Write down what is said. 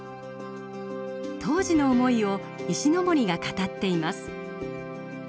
当時の思いを石森が語っています。